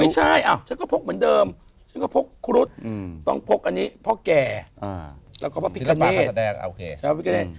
ไม่ใช่เพราะพกมันเดิมก็พกคุรุธพอกแก่เอาพิโตเนต